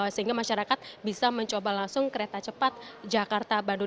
sehingga masyarakat bisa mencoba langsung kereta cepat jakarta bandung